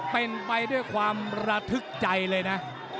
เป็นไปด้วยความระทึกใจเลยนะ